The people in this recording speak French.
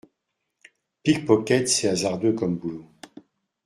Pickpocket c’est hasardeux, comme boulot.